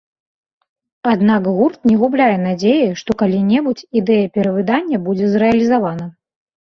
Аднак гурт не губляе надзеі, што калі-небудзь ідэя перавыдання будзе зрэалізавана.